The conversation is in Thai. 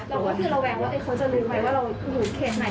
เราก็คือระแวงว่าเขาจะลืมไหมว่าเราอยู่เขตไหน